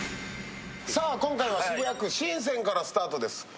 今回は渋谷区神泉からスタートです。